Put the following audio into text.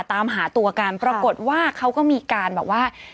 ตามหาตัวกันปรากฏว่าเขาก็มีการแบบว่า